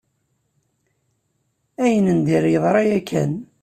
Ayen n dir yeḍra yakan.